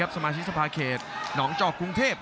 และอัพพิวัตรสอสมนึก